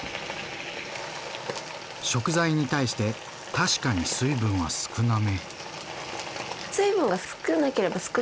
食材に対して確かに水分は少なめ。